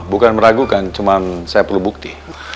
bapak meragukan cuman saya perlu bukti